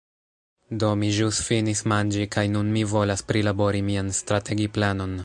Do, mi ĵus finis manĝi kaj nun mi volas prilabori mian strategiplanon